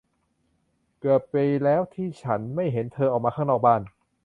เกือบปีแล้วที่ฉันไม่เห็นเธอออกมาข้างนอกบ้าน !